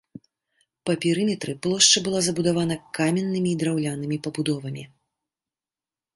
Па перыметры плошча была забудавана каменнымі і драўлянымі пабудовамі.